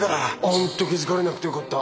本当気付かれなくてよかった